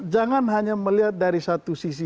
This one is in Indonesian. jangan hanya melihat dari satu sisi